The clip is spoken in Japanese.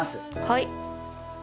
はい。